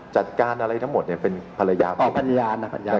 จัดการอะไรทั้งหมดเนี้ยเป็นภรรยาอ๋อภรรยานะครับพันธุ์ทางเลยครับ